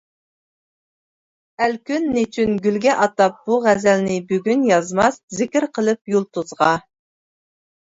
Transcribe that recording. ئەلكۈن نېچۈن گۈلگە ئاتاپ بۇ غەزەلنى بۈگۈن يازماس، زىكىر قىلىپ يۇلتۇزغا!